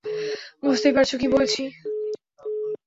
বুঝতেই পারছো কী বলছি?